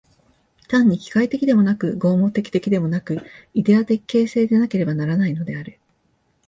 単に機械的でもなく、合目的的でもなく、イデヤ的形成でなければならないのである。